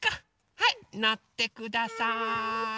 はいのってください。